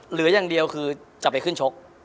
เหลืออย่างเดียวคือจะไปขึ้นชก